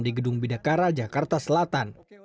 di gedung bidakara jakarta selatan